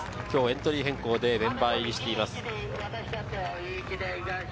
今日エントリー変更でメンバー入りしています。